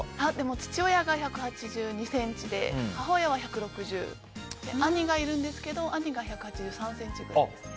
父親が１８２ｃｍで母親は１６０で兄がいるんですけど兄が１８３ｃｍくらいですね。